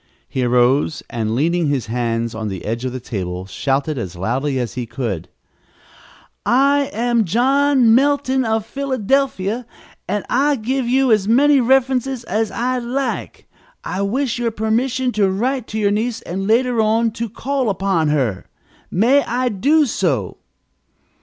He arose, and, leaning his hands on the edge of the table, shouted as loudly as he could: "I am John Melton, of Philadelphia. I will give you as many references as you like. I wish your permission to write to your niece and, later on, to call upon her. May I do so?"